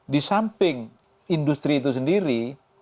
di samping industri itu sendiri